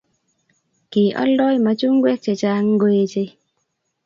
Kioldoi machungwek chechang ngoeche